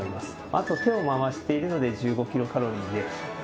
あと、手を回しているので１５キロカロリーで。